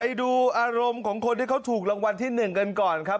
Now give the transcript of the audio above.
ไปดูอารมณ์ของคนที่เขาถูกรางวัลที่๑กันก่อนครับ